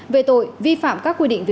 về tội vi phạm các quy định